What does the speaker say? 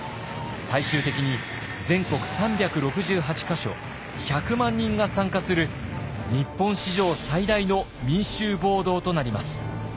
最終的に全国３６８か所１００万人が参加する日本史上最大の民衆暴動となります。